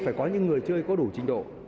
phải có những người chơi có đủ trình độ